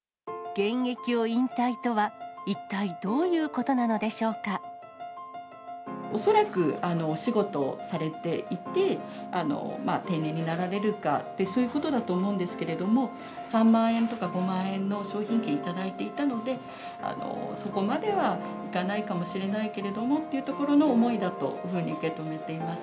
現役を引退とは、一体どうい恐らく、お仕事をされていて、定年になられるか、そういうことだと思うんですけれども、３万円とか５万円の商品券を頂いていたので、そこまではいかないかもしれないけれどもっというところの思いだというふうに受け止めています。